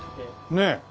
ねえ。